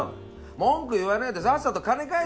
文句言わねぇでさっさと金返せ